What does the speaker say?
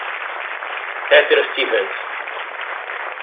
Heather Stephens